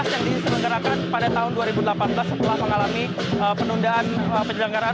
yang diselenggarakan pada tahun dua ribu delapan belas setelah mengalami penundaan penyelenggaraan